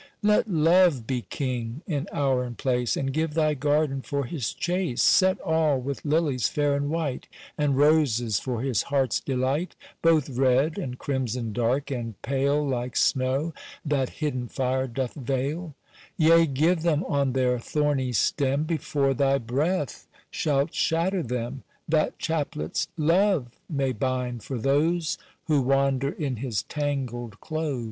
"Let Love be king in hour and place, And give thy garden for his chase, Set all with lilies fair and white, And roses for his heart's delight, Both red, and crimson dark, and pale Like snow that hidden fire doth veil: Yea, give them on their thorny stem, Before thy breath shalt shatter them, That chaplets Love may bind for those Who wander in his tangled close."